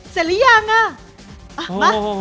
เสร็จหรือยังละ